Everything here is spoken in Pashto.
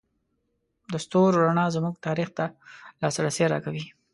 د ستورو رڼا زموږ تاریخ ته لاسرسی راکوي.